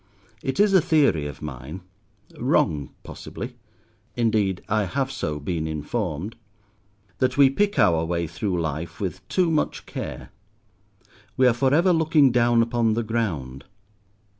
It is a theory of mine—wrong possibly; indeed I have so been informed—that we pick our way through life with too much care. We are for ever looking down upon the ground.